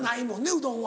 うどんは。